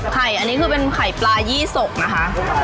อันนี้คือเป็นไข่ปลายี่สกนะคะ